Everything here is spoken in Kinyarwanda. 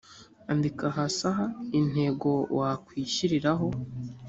andika hasi aha intego wakwishyiriraho